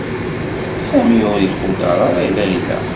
Sami ur iquder ara Layla.